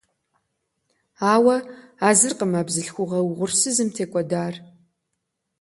Ауэ а зыркъым а бзылъхугьэ угъурсызым текӏуэдар.